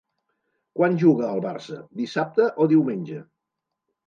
Quan juga el Barça, dissabte o diumenge?